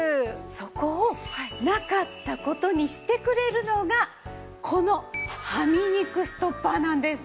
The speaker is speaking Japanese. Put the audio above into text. そこをなかった事にしてくれるのがこのはみ肉ストッパーなんです。